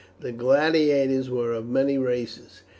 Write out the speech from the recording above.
The gladiators were of many races.